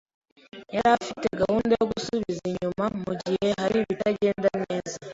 yari afite gahunda yo gusubiza inyuma mugihe hari ibitagenda neza.